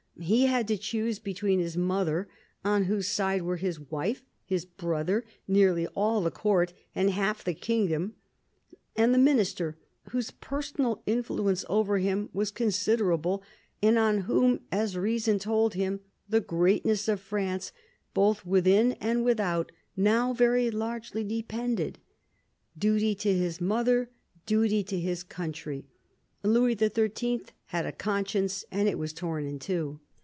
He had to choose between his mother — on whose side were his wife, his brother, nearly all the Court and half the kingdom — and the Minister whose personal influence over him was con siderable, and on whom, as reason told him, the greatness of France, both within and without, now very largely depended. Duty to his mother, duty to his country — Louis XIII. had a conscience, and it was torn in two.